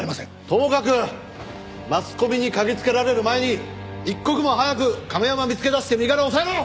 ともかくマスコミに嗅ぎつけられる前に一刻も早く亀山を見つけ出して身柄押さえろ！